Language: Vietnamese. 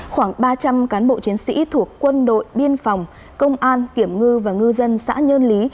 khoảng ba trăm linh cán bộ chiến sĩ thuộc quân đội biên phòng công an kiểm ngư và ngư dân xã nhơn lý